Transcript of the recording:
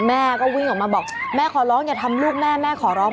แม่ก็วิ่งออกมาบอกแม่ขอร้องอย่าทำลูกแม่แม่ขอร้อง